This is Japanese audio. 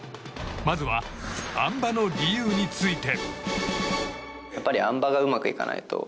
まずは、あん馬の理由について。